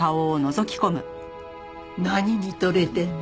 何見とれてんの？